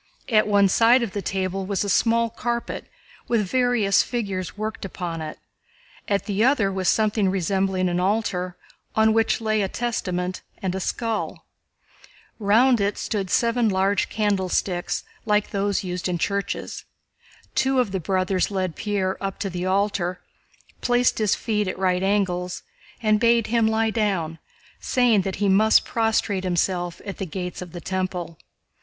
At one side of the table was a small carpet with various figures worked upon it, at the other was something resembling an altar on which lay a Testament and a skull. Round it stood seven large candlesticks like those used in churches. Two of the brothers led Pierre up to the altar, placed his feet at right angles, and bade him lie down, saying that he must prostrate himself at the Gates of the Temple.